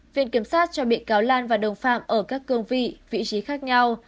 viện kiểm sát cho bị cáo lan và đồng phạm ở các cương vị vị trí khác nhau